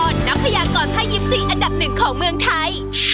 นักพยากรภาค๒๔อันดับหนึ่งของเมืองไทย